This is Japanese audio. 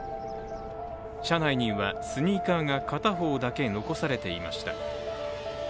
車内にはスニーカーが片方だけ残されていました。